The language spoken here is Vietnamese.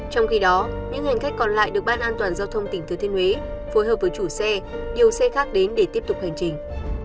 trong khi đó những hành khách còn lại được ban an toàn giao thông tỉnh thừa thiên huế phối hợp với chủ xe điều xe khác đến để tiếp tục hành trình